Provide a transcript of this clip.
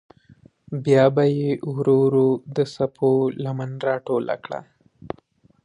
بیا به یې ورو ورو د څپو لمن راټوله کړه.